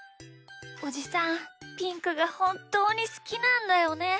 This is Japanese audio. おじさんピンクがほんっとうにすきなんだよね。